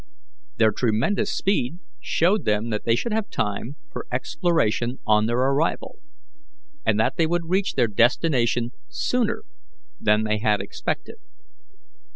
Their tremendous speed showed them they should have time for exploration on their arrival, and that they would reach their destination sooner than they had expected.